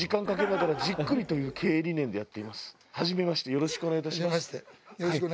よろしくお願いします。